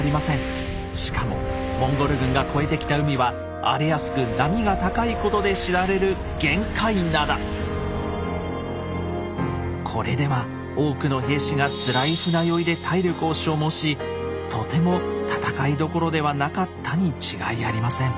しかもモンゴル軍が越えてきた海は荒れやすく波が高いことで知られるこれでは多くの兵士がつらい船酔いで体力を消耗しとても戦いどころではなかったに違いありません。